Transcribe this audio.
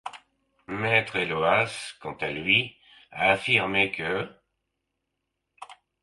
Maître Eolas, quant à lui, a affirmé qu'.